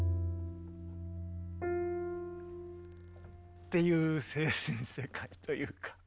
っていう精神世界というか。